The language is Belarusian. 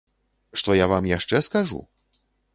Што я вам яшчэ скажу?